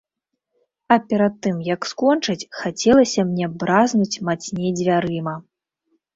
А перад тым як скончыць, хацелася мне бразнуць мацней дзвярыма.